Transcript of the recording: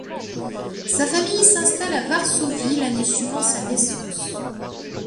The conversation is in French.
Sa famille s'installe à Varsovie l'année suivant sa naissance.